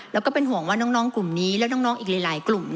แล้วก็เป็นห่วงว่าน้องกลุ่มนี้และน้องอีกหลายกลุ่ม